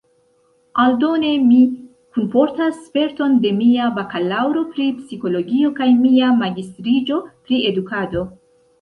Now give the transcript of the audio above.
Aldone, mi kunportas sperton de mia bakalaŭro pri psikologio kaj mia magistriĝo pri edukado.